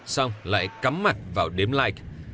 xong lại cắm mặt vào đếm like